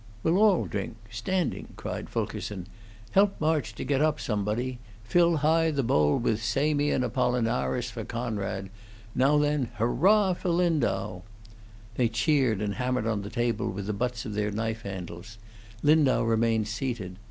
"We'll all drink standing!" cried Fulkerson. "Help March to get up, somebody! Fill high the bowl with Samian Apollinaris for Coonrod! Now, then, hurrah for Lindau!" They cheered, and hammered on the table with the butts of their knife handles. Lindau remained seated.